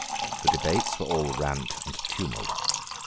The debates were all rant and tumult.